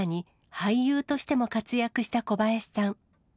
俳優としても活躍した小林さん。